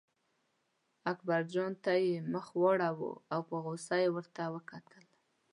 اکبرجان ته یې مخ واړاوه او په غوسه یې ورته وکتل.